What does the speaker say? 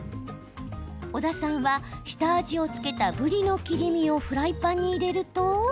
小田さんは、下味を付けたぶりの切り身をフライパンに入れると。